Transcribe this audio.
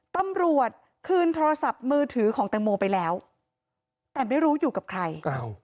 ตำรวจคืนโทรศัพท์มือถือของแตงโมไปแล้วแต่ไม่รู้อยู่กับใคร